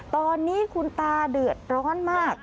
ตอนนี้คุณตาเดือดร้อนมาก